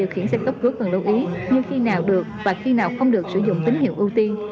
khi nào được và khi nào không được sử dụng tín hiệu ưu tiên